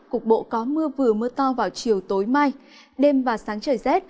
cục bộ có mưa vừa mưa to vào chiều tối mai đêm và sáng trời rét